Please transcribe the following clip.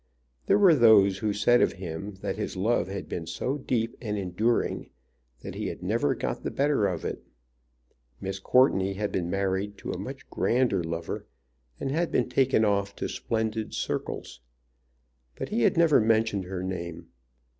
There were those who said of him that his love had been so deep and enduring that he had never got the better of it. Miss Courteney had been married to a much grander lover, and had been taken off to splendid circles. But he had never mentioned her name.